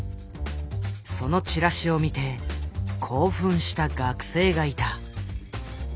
そのチラシを見て興奮した学生がいた。